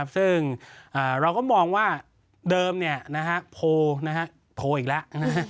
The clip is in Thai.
ซึ่งเราก็มองว่าเดิมโทรอีกแล้ว